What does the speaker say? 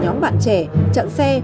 nhóm bạn trẻ chặn xe